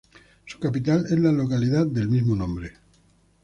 Su capital es la localidad del mismo nombre.